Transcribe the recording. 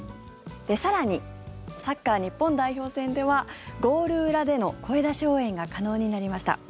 更に、サッカー日本代表戦ではゴール裏での声出し応援が可能になりました。